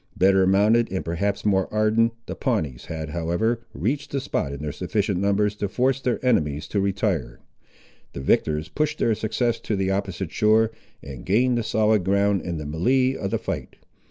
Better mounted and perhaps more ardent, the Pawnees had, however, reached the spot in sufficient numbers to force their enemies to retire. The victors pushed their success to the opposite shore, and gained the solid ground in the melee of the fight.